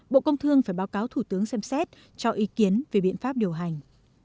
bộ công thương phải báo cáo thủ tướng xem xét cho ý kiến về biện pháp điều hành